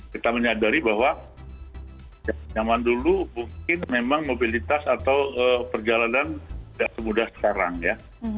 kita menyadari bahwa zaman dulu mungkin memang mobilitas atau perjalanan tidak semudah sekarang ya